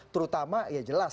terutama ya jelas